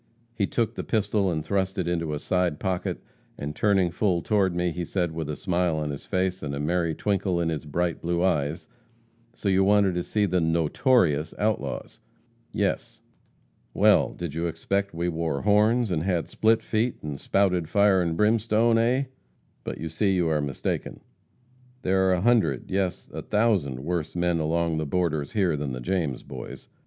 He took the pistol and thrust it into a side pocket, and turning full toward me, he said with a smile on his face, and a merry twinkle in his bright blue eyes: 'So you wanted to see the notorious outlaws?' 'Yes.' 'Well, did you expect we wore horns, and had split feet, and spouted fire and brimstone, eh? But you see you are mistaken. There are a hundred, yes, a thousand, worse men along the borders here than the James Boys.